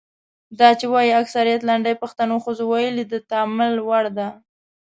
دا چې وايي اکثریت لنډۍ پښتنو ښځو ویلي د تامل وړ ده.